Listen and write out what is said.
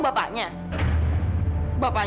demi rio terbang